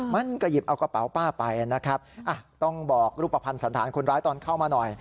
มันก็หยิบเอากระเป๋าป้าไปนะครับต้องบอกรูปภัณฑ์สันธารคนร้ายตอนเข้ามาหน่อย